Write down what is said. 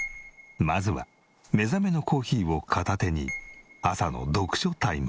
まずは目覚めのコーヒーを片手に朝の読書タイム。